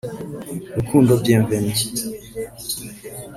Rukundo Bienvenu